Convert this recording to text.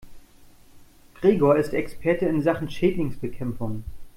Gregor ist Experte in Sachen Schädlingsbekämpfung.